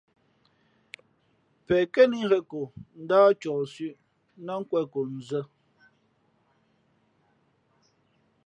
Pen kά lǐʼ ghēn ko, ndáh ncohsʉ̄ʼ ná nkwe᷇n ko nzᾱ.